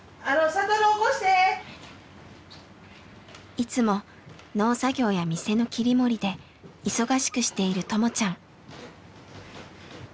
いつも農作業や店の切り盛りで忙しくしているともちゃん。